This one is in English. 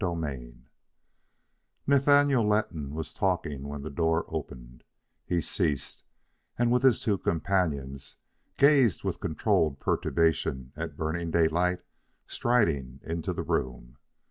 CHAPTER IV Nathaniel Letton was talking when the door opened; he ceased, and with his two companions gazed with controlled perturbation at Burning Daylight striding into the room.